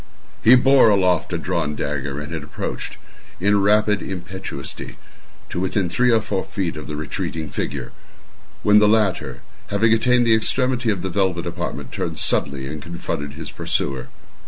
He bore aloft a drawn dagger, and had approached, in rapid impetuosity, to within three or four feet of the retreating figure, when the latter, having attained the extremity of the velvet apartment, turned suddenly and confronted his pursuer.